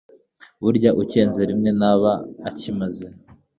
Burya ucyenze rimwe ntaba akimaze